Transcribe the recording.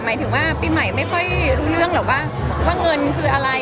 หมายถึงว่าปีใหม่ไม่ค่อยรู้เรื่องหรอกว่าเงินคืออะไร